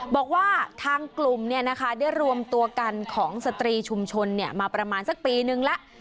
บอกว่าทางกลุ่มได้รวมตัวกันของสตรีชุมชนมาประมาณสักปีนึงแล้ว